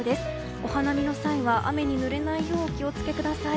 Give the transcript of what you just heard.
お花見の際は雨にぬれないようお気を付けください。